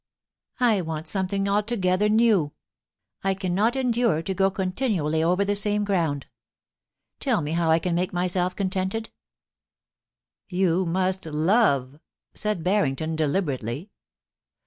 I want II — 2 i64 POLICY AND PASSION, something altogether new — I cannot endure to go continu ally over the same ground Tell me how I can make myself contented' * You must love^ said Barrington, deliberately.